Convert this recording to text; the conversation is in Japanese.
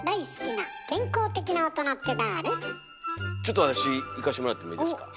ちょっと私いかせてもらってもいいですか？